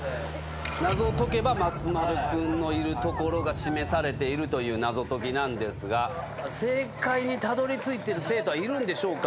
謎を解けば松丸君のいるところが示されているという謎解きなんですが正解にたどりついてる生徒はいるんでしょうか？